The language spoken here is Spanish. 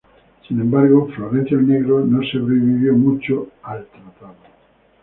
Sin embargo, Florencio el Negro no sobrevivió mucho a este el tratado.